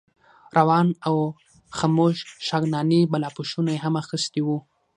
روان او خموش شغناني بالاپوشونه یې هم اخیستي وو.